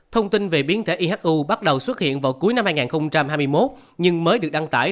thông tin về biến thể ihu bắt đầu xuất hiện vào cuối năm hai nghìn hai mươi một